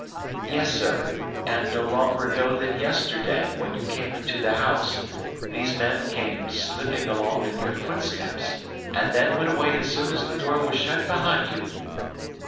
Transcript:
"Yes, sir, and no longer ago than yesterday, when you came into the house, these men came slipping along in your footsteps, and then went away as soon as the door was shut behind you."